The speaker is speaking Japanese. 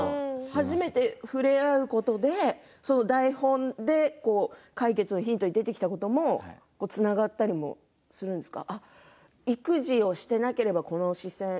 初めて触れることで台本で解決のヒントにできたこともつながったりするんですか？